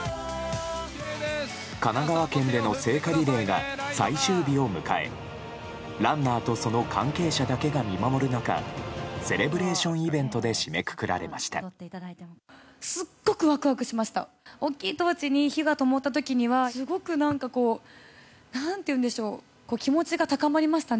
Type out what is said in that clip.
神奈川県での聖火リレーが最終日を迎えランナーとその関係者だけが見守る中セレブレーションイベントで締めくくられました。